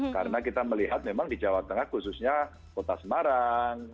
karena kita melihat memang di jawa tengah khususnya kota semarang